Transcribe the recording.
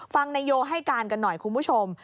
ฟังนายโยให้การกันหน่อยคุณผู้ชม